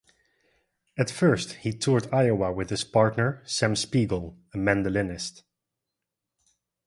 At first, he toured Iowa with his partner, Sam Spiegel, a mandolinist.